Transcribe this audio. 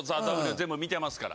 全部観てますから。